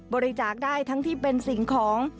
บริจาคได้ทั้งที่เป็นสิ่งของ